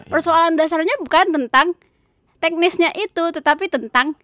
persoalan dasarnya bukan tentang teknisnya itu tetapi tentang